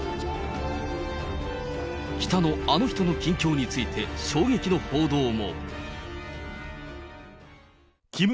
北のあの人の近況について、衝撃の報道も。